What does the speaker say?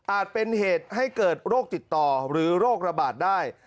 เป็นเหตุให้เกิดโรคติดต่อหรือโรคระบาดได้